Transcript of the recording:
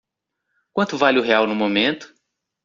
Quanto vale o real no momento?